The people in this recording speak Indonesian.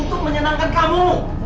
untuk menyenangkan kamu